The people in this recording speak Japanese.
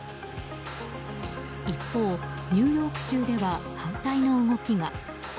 一方、ニューヨーク州では反対の動きが。